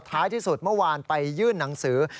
ท้ายที่สุดเมื่อวานไปยื่นหนังสือ